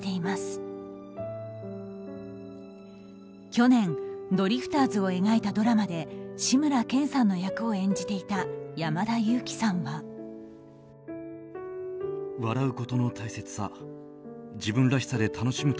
去年ドリフターズを描いたドラマで志村けんさんの役を演じていた山田裕貴さんは。と、つづっています。